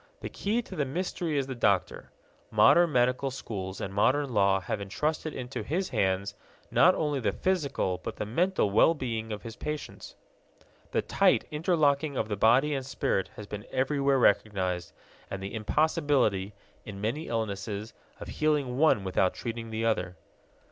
The key to the mystery is the doctor. Modern medical schools and modern law have entrusted into his hands not only the physical but the mental well being of his patients. The tight interlocking of the body and spirit has been everywhere recognized, and the impossibility, in many illnesses, of healing one without treating the other.